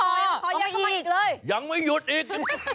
ป่ะอยากขอยังออกมาอีกเลย